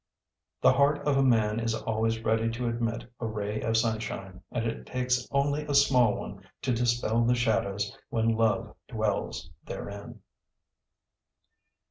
The heart of a man is always ready to admit a ray of sunshine, and it takes only a small one to dispel the shadows when love dwells therein.